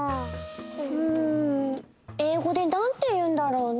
うん英語でなんていうんだろうね？